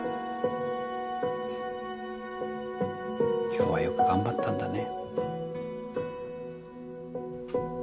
今日はよく頑張ったんだね。